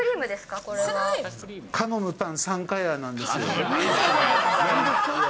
カノムパン・サンカヤーなん分からん。